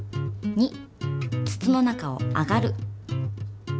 ２筒の中を上がる。